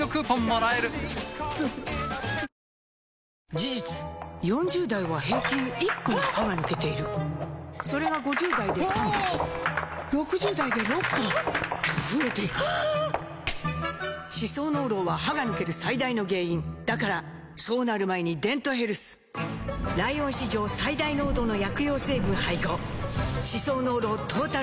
事実４０代は平均１本歯が抜けているそれが５０代で３本６０代で６本と増えていく歯槽膿漏は歯が抜ける最大の原因だからそうなる前に「デントヘルス」ライオン史上最大濃度の薬用成分配合歯槽膿漏トータルケア！